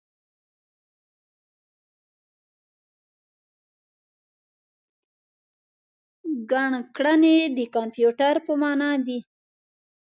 ګڼکړنی د کمپیوټر په مانا دی.